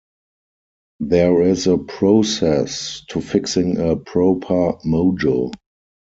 There is a process to fixing a proper mojo.